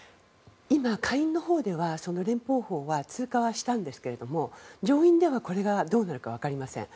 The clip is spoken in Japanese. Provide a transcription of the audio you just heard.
今、下院ではその連邦法は通過はしたんですけれども上院では、これがどうなる分かりません。